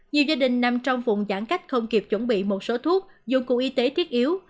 nhiều gia đình nằm trong vùng giãn cách không kịp chuẩn bị một số thuốc dụng cụ y tế thiết yếu